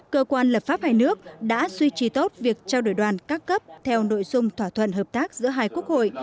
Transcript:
cơ quan lập pháp hai nước đã duy trì tốt việc trao đổi đoàn các cấp theo nội dung thỏa thuận hợp tác giữa hai quốc hội